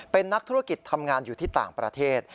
เป็นนักธุรกิจทำงานอยู่ที่ต่างประเทศ